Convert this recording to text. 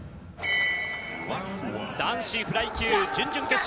「男子フライ級準々決勝。